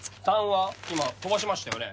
今飛ばしましたよね？